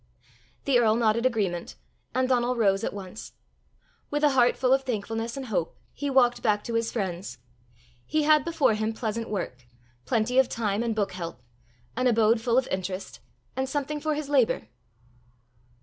The earl nodded agreement, and Donal rose at once. With a heart full of thankfulness and hope he walked back to his friends. He had before him pleasant work; plenty of time and book help; an abode full of interest; and something for his labour!